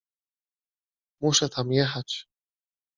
Muszę tam jechać.